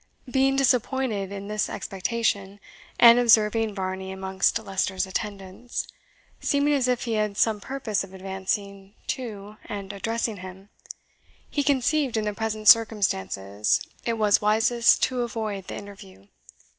Being disappointed in this expectation, and observing Varney amongst Leicester's attendants, seeming as if he had some purpose of advancing to and addressing him, he conceived, in the present circumstances, it was wisest to avoid the interview.